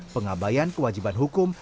pengabayan kewajiban hukum